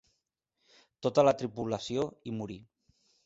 Tota la tripulació hi morí.